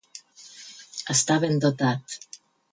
Estar ben dotat.